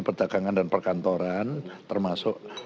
perdagangan dan perkantoran termasuk